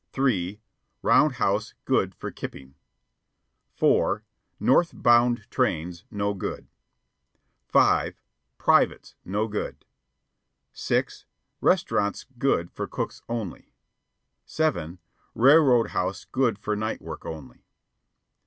(3) Round house good for kipping. (4) North bound trains no good. (5) Privates no good. (6) Restaurants good for cooks only. (7) Railroad House good for night work only.